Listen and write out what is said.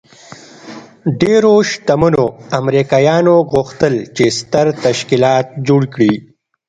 ډېرو شتمنو امريکايانو غوښتل چې ستر تشکيلات جوړ کړي.